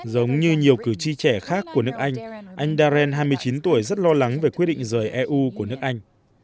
giống như nhiều cử tri trẻ khác của nước anh anh dan hai mươi chín tuổi rất lo lắng về quyết định rời eu của nước anh